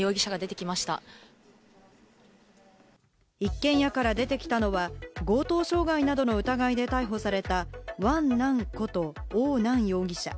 一軒家から出てきたのは、強盗傷害などの疑いで逮捕されたワン・ナンことオウ・ナン容疑者。